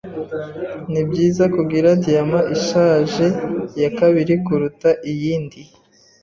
Nibyiza kugira diyama ishaje ya kabiri kuruta iyindi.